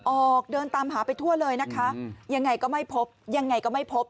ออกเดินตามหาไปทั่วเลยนะคะยังไงก็ไม่พบยังไงก็ไม่พบ